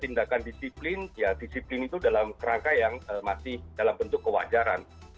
tindakan disiplin ya disiplin itu dalam kerangka yang masih dalam bentuk kewajaran